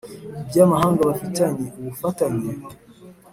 by'amahanga bafitanye ubufatanye?